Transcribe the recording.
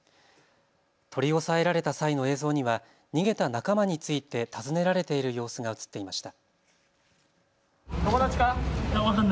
取り押さえられた際の映像には逃げた仲間について尋ねられている様子が映っていました。